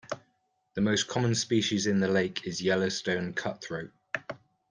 The most common species in the lake is Yellowstone cutthroat.